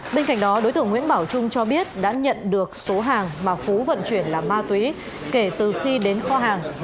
bên cạnh đó đối tượng nguyễn bảo trung cho biết đã nhận được số hàng mà phú vận chuyển là ma túy kể từ khi đến kho hàng